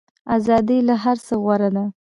ازادي له هر څه غوره ده.